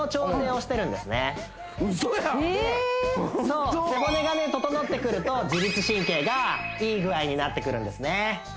そう背骨がね整ってくると自律神経がいい具合になってくるんですね